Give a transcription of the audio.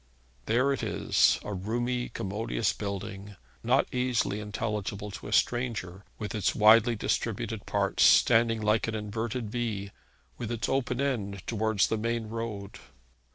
There it is, a roomy, commodious building, not easily intelligible to a stranger, with its widely distributed parts, standing like an inverted V, with its open side towards the main road.